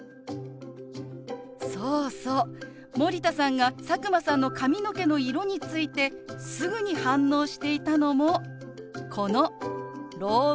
そうそう森田さんが佐久間さんの髪の毛の色についてすぐに反応していたのもこのろう文化ですね。